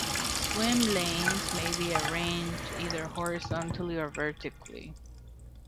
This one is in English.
Swim lanes may be arranged either horizontally or vertically.